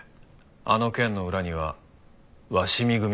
あの件の裏には鷲見組がいる。